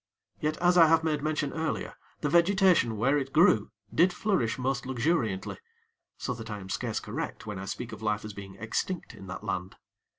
Yet, as I have made mention earlier, the vegetation, where it grew, did flourish most luxuriantly; so that I am scarce correct when I speak of life as being extinct in that land.